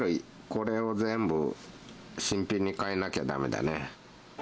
これを全部、新品に換えなきゃだめだね。